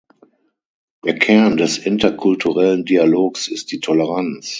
Der Kern des interkulturellen Dialogs ist die Toleranz.